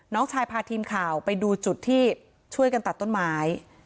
น้องชายพาทีมข่าวไปดูจุดที่ช่วยกันตัดต้นไม้